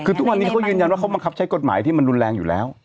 คือทุกวันนี้เขายืนยันว่าเขาบังคับใช้กฎหมายที่มันรุนแรงอยู่แล้ว